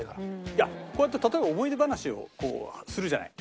いやこうやって例えば思い出話をするじゃない。